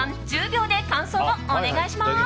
１０秒で感想をお願いします。